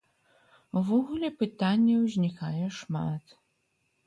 Увогуле пытанняў узнікае шмат.